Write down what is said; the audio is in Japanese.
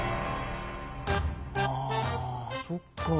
あそっか。